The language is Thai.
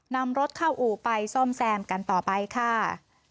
นำรถเข้าอู่ไปซ่อมแซมกันต่อไปค่ะ